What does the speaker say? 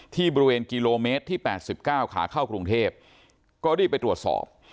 ที่บริเวณกิโลเมตรที่๘๙ขาเข้ากรุงเทพก็รีบไปตรวจสอบ